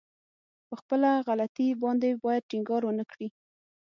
په خپله غلطي باندې بايد ټينګار ونه کړي.